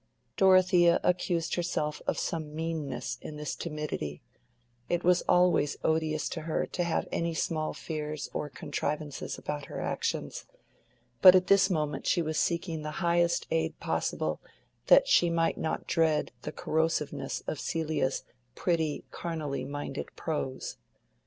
Dorothea accused herself of some meanness in this timidity: it was always odious to her to have any small fears or contrivances about her actions, but at this moment she was seeking the highest aid possible that she might not dread the corrosiveness of Celia's pretty carnally minded prose.